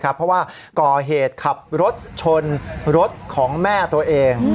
เพราะว่าก่อเหตุขับรถชนรถของแม่ตัวเอง